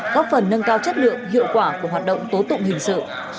góp phần nâng cao chất lượng hiệu quả của hoạt động tố tụng hình sự